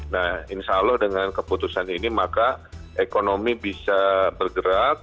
nah insya allah dengan keputusan ini maka ekonomi bisa bergerak